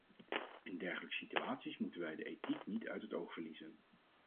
In dergelijke situaties moeten wij de ethiek niet uit het oog verliezen.